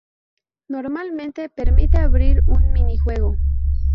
Normalmente permite abrir un minijuego.